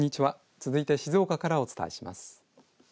続いて静岡からお伝えします。